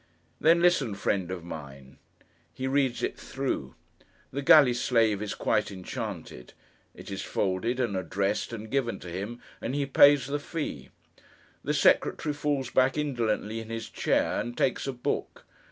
Then listen, friend of mine. He reads it through. The galley slave is quite enchanted. It is folded, and addressed, and given to him, and he pays the fee. The secretary falls back indolently in his chair, and takes a book.